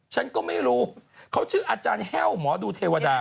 ฉันก็ไม่รู้เขาชื่ออาจารย์แห้วหมอดูเทวดา